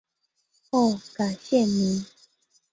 后改现名。